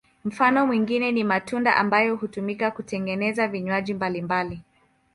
Mfano mwingine ni matunda ambayo hutumika kutengeneza vinywaji mbalimbali.